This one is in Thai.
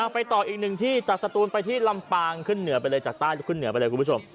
ไปต่ออีกหนึ่งที่จากสตูนไปที่ลำปางขึ้นเหนือไปเลยจากใต้ขึ้นเหนือไปเลยคุณผู้ชม